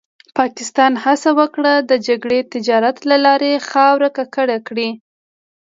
پاکستان هڅه وکړه د جګړې تجارت له لارې خاوره ککړه کړي.